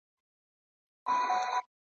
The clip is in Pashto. شعر د عبدالبارى جهاني